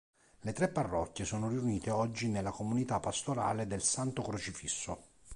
Le tre parrocchie sono riunite oggi nella Comunità Pastorale del Santo Crocifisso.